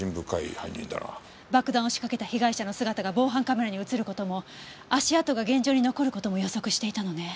爆弾を仕掛けた被害者の姿が防犯カメラに映る事も足跡が現場に残る事も予測していたのね。